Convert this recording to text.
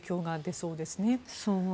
そうですね。